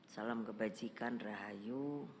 salam kebajikan rahayu